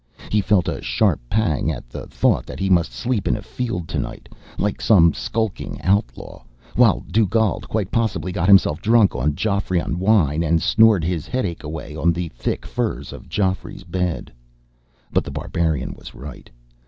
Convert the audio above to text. He felt a sharp pang at the thought that he must sleep in a field tonight, like some skulking outlaw, while Dugald quite possibly got himself drunk on Geoffrion wine and snored his headache away on the thick furs of Geoffrey's bed. But The Barbarian was right.